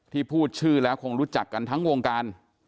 พูดชื่อแล้วคงรู้จักกันทั้งวงการ